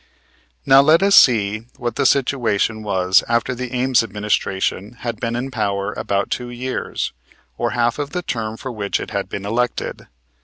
Now let us see what the situation was after the Ames administration had been in power about two years, or half of the term for which it had been elected.